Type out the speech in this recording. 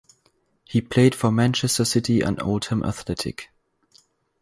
He played for Manchester City and Oldham Athletic.